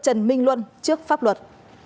trần minh luân trước pháp luật